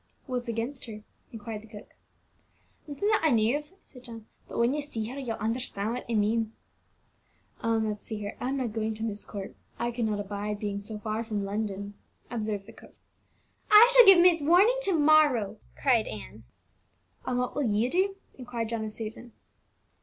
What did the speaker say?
"What's against her?" inquired the cook. "Nothing that I know of," said John; "but when you see her, you'll understand what I mean." "I'll not see her; I'm not going to Myst Court; I could not abide being so far from London," observed the cook. "I shall give miss warning to morrow!" cried Ann. "And what will you do?" inquired John of Susan.